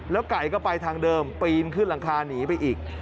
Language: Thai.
ไก่ก็ไปทางเดิมปีนขึ้นหลังคาหนีไปอีก